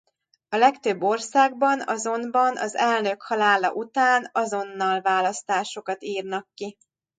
A legtöbb országban azonban az elnök halála után azonnal választásokat írnak ki.